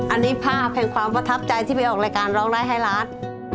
อันนี้ภาพแห่งความประทับใจที่ไปออกรายการร้องได้ให้ล้าน